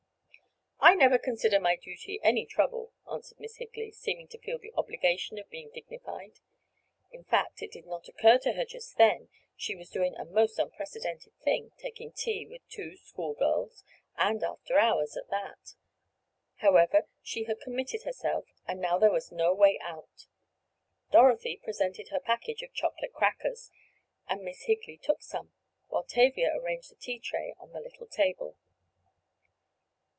"I never consider my duty any trouble," answered Miss Higley, seeming to feel the obligation of being dignified. In fact, it did not occur to her just then that she was doing a most unprecedented thing—taking tea with two school girls, and after hours at that! However, she had committed herself, and now there was no way out. Dorothy presented her package of chocolate crackers, and Miss Higley took some, while Tavia arranged the tea tray on the little table.